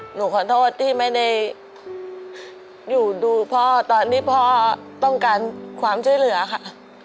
หนูขอโทษที่ไม่ได้อยู่ดูพ่อตอนที่พ่อต้องการความช่วยเหลือค่ะ